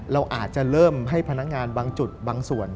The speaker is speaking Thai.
เราอาจจะเริ่มให้พนักงานบางจุดบางส่วน